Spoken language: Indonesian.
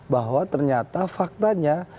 bahwa ternyata faktanya